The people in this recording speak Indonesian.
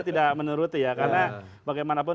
tidak menuruti ya karena bagaimanapun